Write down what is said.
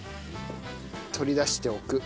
取り出しておく。